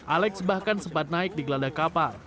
alex bahkan sempat naik di gelada kapal